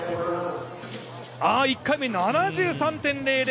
１回目、７３．００！